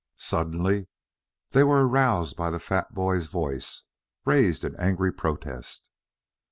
Suddenly they were aroused by the fat boy's voice raised in angry protest.